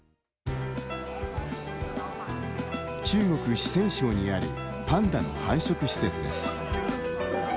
中国、四川省にあるパンダの繁殖施設です。